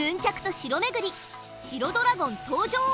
城ドラゴン登場！